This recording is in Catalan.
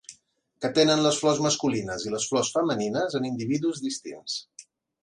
Que tenen les flors masculines i les flors femenines en individus distints.